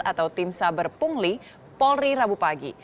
atau tim saber pungli polri rabu pagi